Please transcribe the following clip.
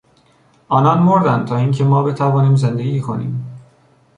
آنان مردند تا اینکه ما بتوانیم زندگی کنیم.